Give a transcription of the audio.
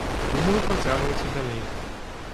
Думаю працягваць і далей.